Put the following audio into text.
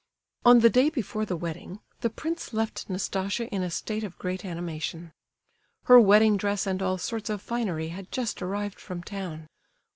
On the day before the wedding, the prince left Nastasia in a state of great animation. Her wedding dress and all sorts of finery had just arrived from town.